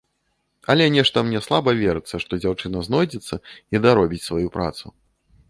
Але нешта мне слаба верыцца, што дзяўчына знойдзецца і даробіць сваю працу.